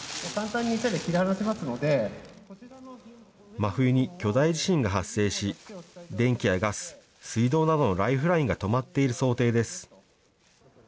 真冬に巨大地震が発生し、電気やガス、水道などのライフラインが止まっている想定です。